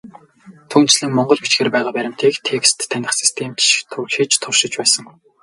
Түүнчлэн, монгол бичгээр байгаа баримтыг текст таних систем ч хийж туршиж байсан.